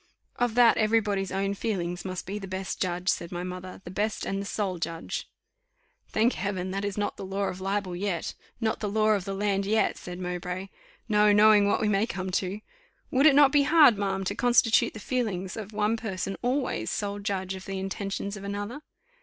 "Of that every body's own feelings must be the best judge," said my mother, "the best and the sole judge." "Thank Heaven! that is not the law of libel yet, not the law of the land yet," said Mowbray; "no knowing what we may come to. Would it not be hard, ma'am, to constitute the feelings of one person always sole judge of the intentions of another?